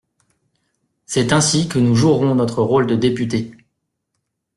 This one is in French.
C’est ainsi que nous jouerons notre rôle de député.